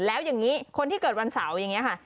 แล้วอย่างนี้คนที่เกิดวันเสาร์อย่างนี้ค่ะ